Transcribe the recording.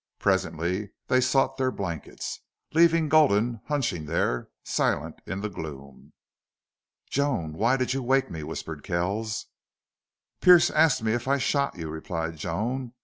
Presently they sought their blankets, leaving Gulden hunching there silent in the gloom. "Joan, why did you wake me?" whispered Kells. "Pearce asked me if I shot you," replied Joan.